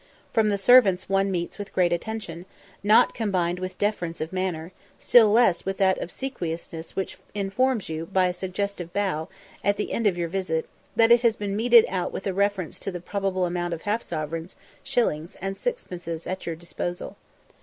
From the servants one meets with great attention, not combined with deference of manner, still less with that obsequiousness which informs you by a suggestive bow, at the end of your visit, that it has been meted out with reference to the probable amount of half sovereigns, shillings, and sixpences at your disposal.